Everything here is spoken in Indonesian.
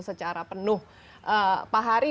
secara penuh pak hari